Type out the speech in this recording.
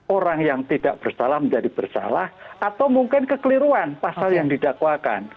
orang yang tidak bersalah menjadi bersalah atau mungkin kekeliruan pasal yang didakwakan